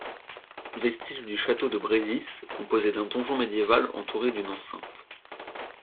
Vestiges du château de Brésis composé d'un donjon médiéval entouré d'une enceinte.